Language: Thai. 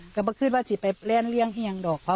กลับมาขึ้นว่าสิไปเล่นเลี่ยงที่ยังดอกเขา